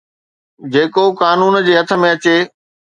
جيڪو قانون جي هٿ ۾ اچي